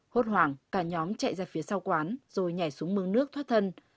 hốt hoảng cả nhóm chạy ra phía sau quán rồi nhảy xuống mương nước thoát thân